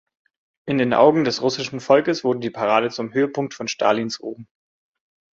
In den Augen des russischen Volkes wurde die Parade zum Höhepunkt von Stalins Ruhm.